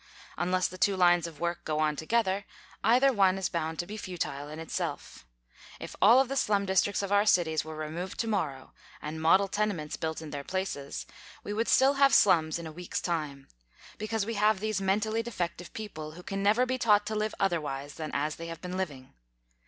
Un less the two lines of work go on together, either one is bound to be futile in itself. If all of the slum districts 70 FACTS ABOUT THE KALLIKAK FAMILY 71 of our cities were removed to morrow and model tene ments built in their places, we would still have slums in a week's time, because we have these mentally defec tive people who can never be taught to live otherwise than as they have been living.